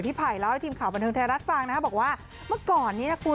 ไผ่เล่าให้ทีมข่าวบันเทิงไทยรัฐฟังนะครับบอกว่าเมื่อก่อนนี้นะคุณ